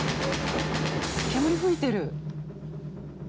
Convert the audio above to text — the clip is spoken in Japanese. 煙吹いてる。